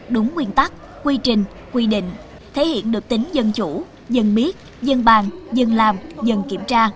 đúng nguyên tắc quy trình quy định thể hiện được tính dân chủ dân biết dân bàn dân làm dân kiểm tra